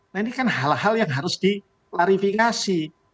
nah ini kan hal hal yang harus diklarifikasi